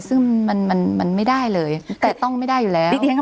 ซึ่งมันมันไม่ได้เลยแต่ต้องไม่ได้อยู่แล้ว